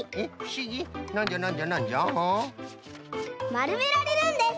まるめられるんです。